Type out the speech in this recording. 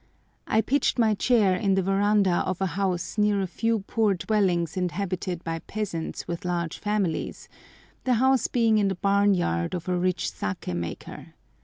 I pitched my chair in the verandah of a house near a few poor dwellings inhabited by peasants with large families, the house being in the barn yard of a rich saké maker.